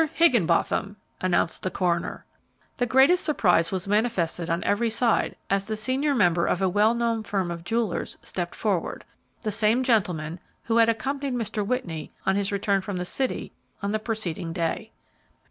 Higgenbotham," announced the coroner. The greatest surprise was manifested on every side as the senior member of a well known firm of jewellers stepped forward; the same gentleman who had accompanied Mr. Whitney on his return from the city on the preceding day.